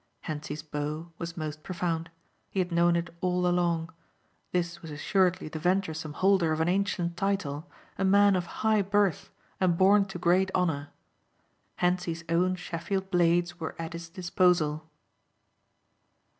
Hentzi's bow was most profound. He had known it all along. This was assuredly the venturesome holder of an ancient title, a man of high birth and born to great honor. Hentzi's own Sheffield blades were at his disposal.